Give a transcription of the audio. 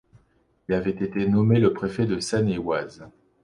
Il avait été nommé le préfet de Seine-et-Oise.